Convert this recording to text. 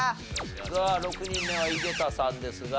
さあ６人目は井桁さんですが。